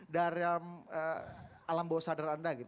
dalam alam bawah sadar anda gitu